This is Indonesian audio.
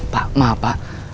pak maaf pak